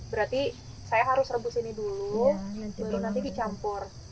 berarti saya harus rebus ini dulu nanti dicampur